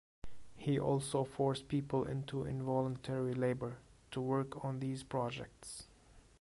He also forced people into involuntary labor to work on these projects.